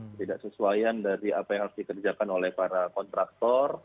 ketidaksesuaian dari apa yang harus dikerjakan oleh para kontraktor